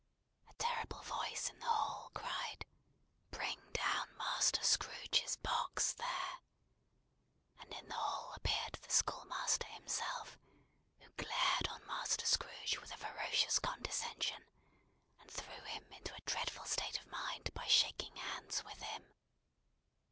A terrible voice in the hall cried, "Bring down Master Scrooge's box, there!" and in the hall appeared the schoolmaster himself, who glared on Master Scrooge with a ferocious condescension, and threw him into a dreadful state of mind by shaking hands with him.